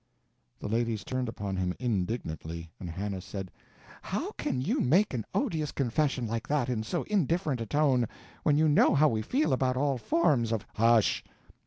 The ladies turned upon him indignantly, and Hannah said: "How can you make an odious confession like that, in so indifferent a tone, when you know how we feel about all forms of " "Hush!